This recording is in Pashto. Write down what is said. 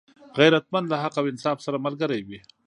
غیرتمند له حق او انصاف سره ملګری وي